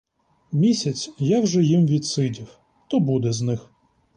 Місяць я вже їм відсидів, то буде з них.